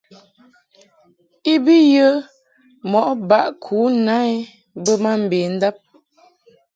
I bi yə mɔʼ baʼ ku na I bə ma mbendab.